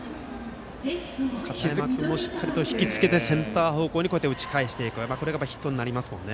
しっかりと引き付けてセンター方向に打ち返していくこれがヒットになりますもんね。